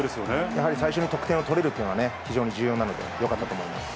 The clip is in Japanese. やはり最初に得点を取れるというのは、非常に重要なので、よかったと思います。